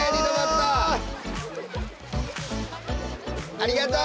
ありがとう！